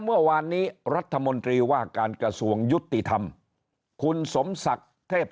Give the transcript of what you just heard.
เมื่อวานนี้รัฐมนตรีว่าการกระทรวงยุติธรรมคุณสมศักดิ์เทพ